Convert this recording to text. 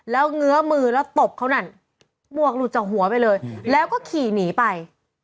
แล้วเงื้อมือแล้วตบเขานั่นหมวกหลุดจากหัวไปเลยแล้วก็ขี่หนีไป